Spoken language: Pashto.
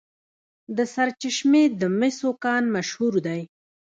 د سرچشمې د مسو کان مشهور دی.